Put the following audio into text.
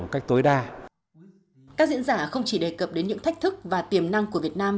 các diễn giả không chỉ đề cập đến những thách thức và tiềm năng của việt nam